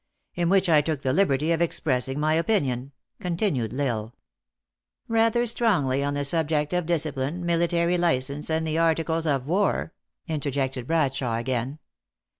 "In which I took the liberty of expressing my opinion," continued L Isle ""Rather strongly on the subject of discipline, mili THE ACTRESS IN HIGH LIFE. 333 tary license, and the articles of war," interjected Bradshawe again.